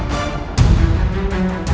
yang begitu sangat